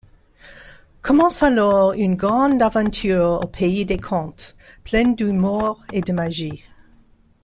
Commence alors une grande aventure au pays des contes, pleine d'humour et de magie.